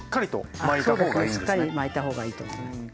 しっかり巻いた方がいいと思います。